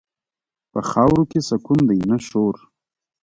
په خاورو کې سکون دی، نه شور.